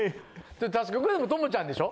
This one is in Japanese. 確かこれも朋ちゃんでしょ？